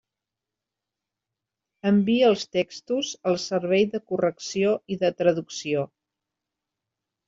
Envia els textos al servei de correcció i de traducció.